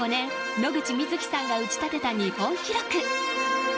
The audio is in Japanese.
野口みずきさんが打ち立てた日本記録。